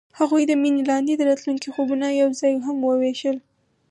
هغوی د مینه لاندې د راتلونکي خوبونه یوځای هم وویشل.